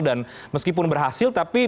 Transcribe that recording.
dan meskipun berhasil tapi